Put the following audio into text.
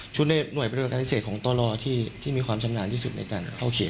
ชุดน่วงประดูกตัวการอิสระของตรที่มีความชำนาญที่สุดในการเข้าเขต